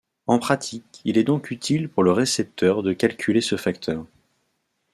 En pratique, il est donc utile pour le récepteur de calculer ce facteur.